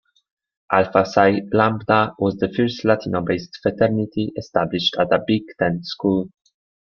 Alpha Psi Lambda was the first Latino-based fraternity established at a Big Ten school.